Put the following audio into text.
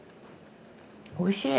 おいしい！